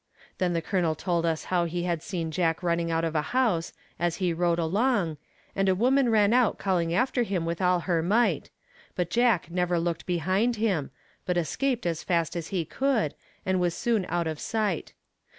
Then the Colonel told us how he had seen Jack running out of a house, as he rode along, and a woman ran out calling after him with all her might, but Jack never looked behind him, but escaped as fast as he could, and was soon out of sight.